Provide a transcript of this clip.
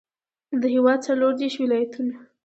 د هېواد څلوردېرش ولایتونه.